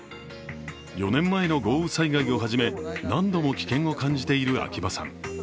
４年前の豪雨災害をはじめ、何度も危険を感じている秋葉さん。